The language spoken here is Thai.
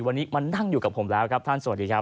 วันนี้มานั่งอยู่กับผมแล้วครับท่านสวัสดีครับ